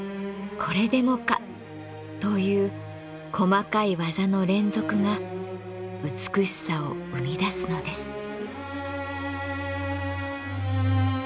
「これでもか！」という細かい技の連続が美しさを生み出すのです。